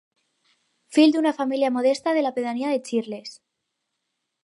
Fill d'una família modesta de la pedania de Xirles.